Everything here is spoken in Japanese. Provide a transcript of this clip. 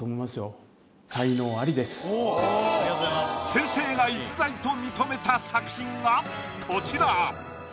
先生が逸材と認めた作品がこちら。